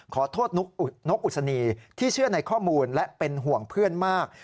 ขอโทษนกอุศนีที่เชื่อในข้อมูลและเป็นห่วงเพื่อนมาก